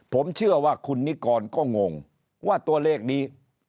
ผมเชื่อว่าคุณนิกรก็งงว่าตัวเลขนี้